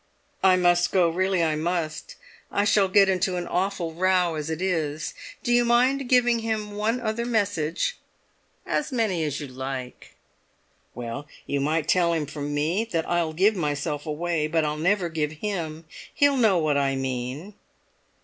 "I must go—really I must. I shall get into an awful row as it is. Do you mind giving him one other message?" "As many as you like." "Well, you might tell him from me that I'll give myself away, but I'll never give him! He'll know what I mean."